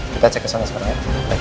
kita cek ke sana sekarang ya